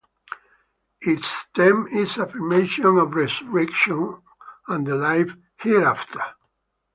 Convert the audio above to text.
Its theme is affirmation of Resurrection and the life hereafter.